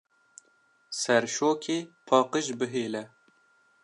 Serşokê paqij bihêle!